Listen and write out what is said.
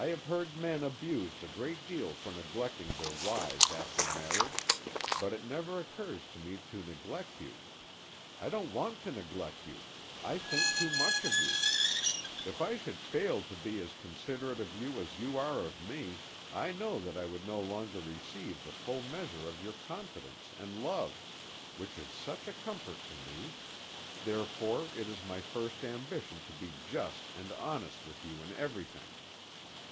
I have heard men abused a great deal for neglecting their wives after marriage, but it never occurs to me to neglect you. I don't want to neglect you; I think too much of you. If I should fail to be as considerate of you as you are of me, I know that I would no longer receive the full measure of your confidence and love, which is such a comfort to me, therefore it is my first ambition to be just and honest with you in everything.